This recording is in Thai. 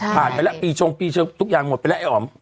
ผ่าตัดไปแล้วปีชงปีชงทุกอย่างหมดไปแล้วไอ้อ๋อม